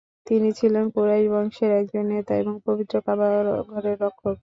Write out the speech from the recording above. তিনি ছিলেন কুরাইশ বংশের একজন নেতা এবং পবিত্র কাবা ঘরের রক্ষক।